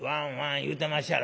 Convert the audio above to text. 言うてまっしゃろ」。